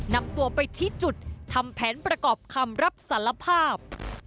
นำตัวไปชี้จุดทำแผนประกอบคำรับสารภาพ